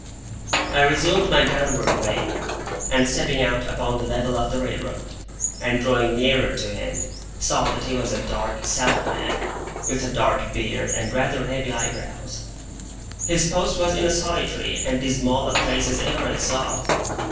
I resumed my downward way, and stepping out upon the level of the railroad, and drawing nearer to him, saw that he was a dark, sallow man, with a dark beard and rather heavy eyebrows. His post was in as solitary and dismal a place as ever I saw.